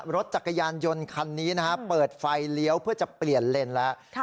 รถจักรยานยนต์คันนี้นะฮะเปิดไฟเลี้ยวเพื่อจะเปลี่ยนเลนแล้ว